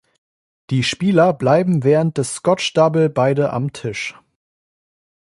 Die Spieler bleiben während des Scotch Double beide am Tisch.